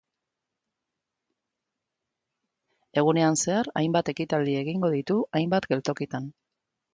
Egunean zehar hainbat ekitaldi egingo ditu hainbat geltokitan.